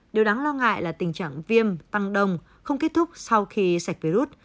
điều đáng lo ngại là tình trạng viêm tăng đông không kết thúc sau khi sạch virus